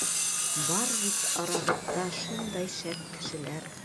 Бар бит арабыҙҙа шундай шәп кешеләр!